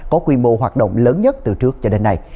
có quy mô hoạt động lớn nhất từ trước cho đến nay